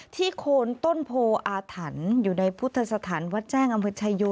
ที่โครนต้นพโออาถรรมอยู่ในพุทธศาสตร์แวดแจ้งอำเภบชายโย